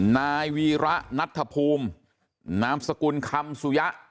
นายวีระนัทธภูมินามสกุลคำสุยะ